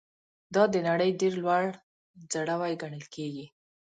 دا د نړۍ ډېر لوړ ځړوی ګڼل کیږي.